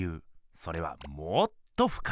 それはもっとふかい。